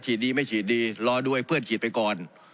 ดีไม่ฉีดดีรอด้วยเพื่อนฉีดไปก่อน